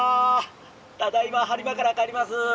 ただいま播磨から帰ります。